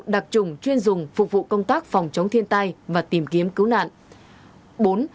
đặc trùng chuyên dùng phục vụ công tác phòng chống thiên tai và tìm kiếm cứu nạn